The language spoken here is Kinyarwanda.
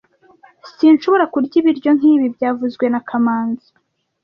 Sinshobora kurya ibiryo nkibi byavuzwe na kamanzi